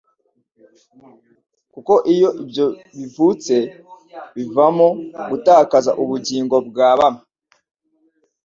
Kuko iyo ibyo bivutse, bivamo gutakaza ubugingo bwa bamwe.